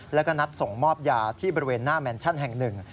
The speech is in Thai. แล้วก็นัดส่งมอบยาที่บริเวณหน้าแมนชั่นแห่งหนึ่ง